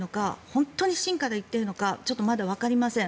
本当に心から言っているのかわかりません。